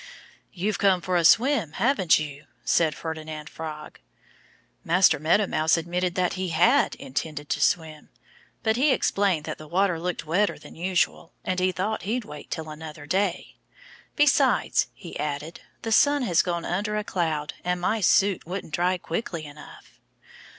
"You've come for a swim haven't you?" said Ferdinand Frog. Master Meadow Mouse admitted that he had intended to swim. But he explained that the water looked wetter than usual and he thought he'd wait till another day. "Besides," he added, "the sun has gone under a cloud and my suit wouldn't dry quickly enough."